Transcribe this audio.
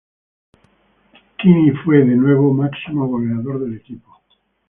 Quini fue, de nuevo, máximo goleador del equipo.